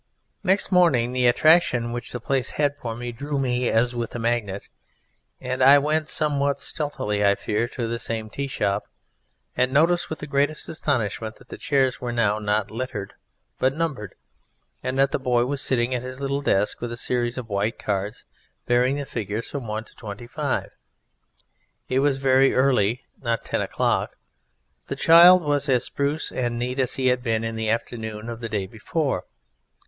Next morning the attraction which the place had for me drew me as with a magnet, and I went, somewhat stealthily I fear, to the same tea shop and noticed with the greatest astonishment that the chairs were now not lettered, but numbered, and that the boy was sitting at his little desk with a series of white cards bearing the figures from one to twenty five. It was very early not ten o'clock but the Child was as spruce and neat as he had been in the afternoon of the day before.